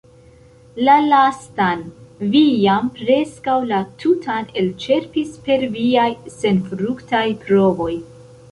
La lastan vi jam preskaŭ la tutan elĉerpis per viaj senfruktaj provoj.